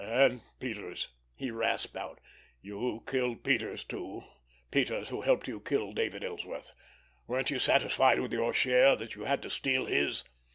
"And Peters," he rasped out. "You killed Peters, too—Peters, who helped you kill David Ellsworth! Weren't you satisfied with your share, that you had to steal his?"